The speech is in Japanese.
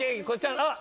あっ！